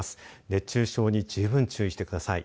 熱中症に十分注意してください。